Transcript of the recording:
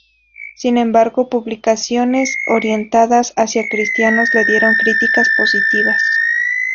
Sin embargo, publicaciones orientadas hacia cristianos le dieron críticas positivas.